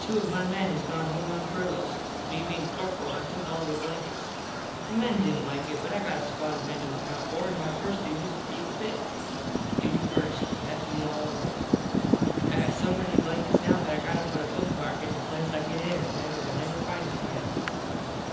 Two of my men has gone home on furlos. Me bein corperal I took all there blankets. The men didnt like it but I got a squad of men to look out for an my first duty is to keep fit. Duty first. Thats me all over. I got so many blankets now that I got to put a book mark in the place I get in at night or Id never find it again.